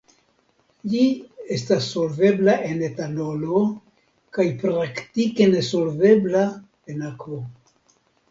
Ĝi estas solvebla en etanolo kaj praktike nesolvebla en akvo.